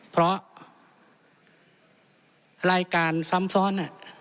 เพราะรายการซ้ำซ้อน